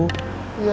tidak lebih dari itu